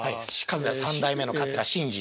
三代目の桂伸治。